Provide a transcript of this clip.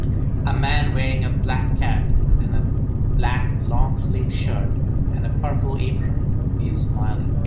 A man wearing a black cap and a black longsleeved shirt and a purple apron is smiling